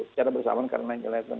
secara bersamaan karena sembilan sebelas